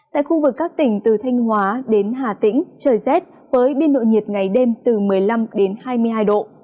tại khu vực các tỉnh từ thanh hóa đến hà tĩnh trời rét với biên độ nhiệt ngày đêm từ một mươi năm hai mươi hai độ